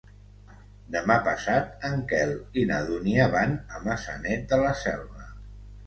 Demà passat en Quel i na Dúnia van a Maçanet de la Selva.